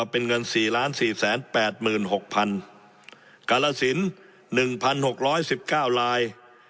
เป็นเงินสี่ล้านสี่แสนแปดหมื่นหกพันกรสินหนึ่งพันหกร้อยสิบเก้าลาย